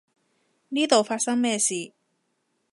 呢度發生咩事？